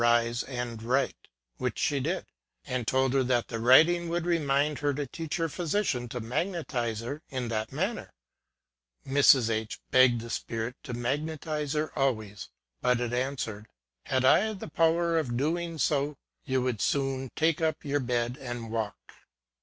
81 rise and write ŌĆö which she did ŌĆö and told her that the writing would remind her to teach her physician to magnetize her in that manner. Mrs. H begged the spirit to magnetize her always ; but it answered ŌĆö '' Had I the power of doing so, you would soon take up your bed and walk